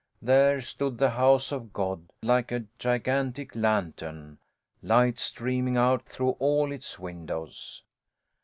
There stood the House of God, like acme gigantic lantern, light streaming out through all Its windows.